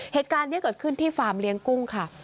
เหตุการณ์นี้เกิดขึ้นที่ฟาร์มเลี้ยงกุ้งค่ะ